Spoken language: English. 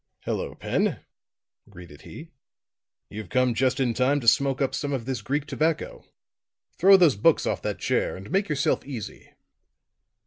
"Hello, Pen," greeted he. "You've come just in time to smoke up some of this Greek tobacco. Throw those books off that chair and make yourself easy."